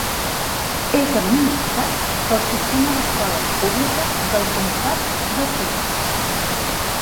És administrat pel sistema d'escoles públiques del comtat de Pitt.